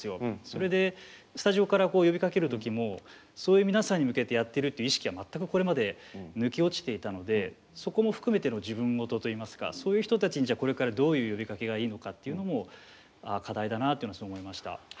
それでスタジオから呼びかける時もそういう皆さんに向けてやってるっていう意識は全くこれまで抜け落ちていたのでそこも含めての自分ごとといいますかそういう人たちにこれからどういう呼びかけがいいのかっていうのもああ課題だなっていうのは思いました。